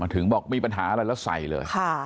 ถึงบอกมีปัญหาอะไรแล้วใส่เลย